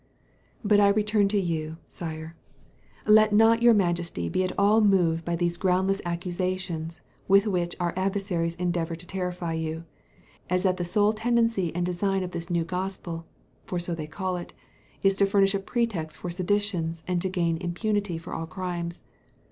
But I return to you, Sire. Let not your Majesty be at all moved by those groundless accusations with which our adversaries endeavour to terrify you; as that the sole tendency and design of this new Gospel for so they call it is to furnish a pretext for seditions, and to gain impunity for all crimes.